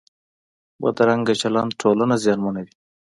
بدرنګه چلند ټولنه زیانمنوي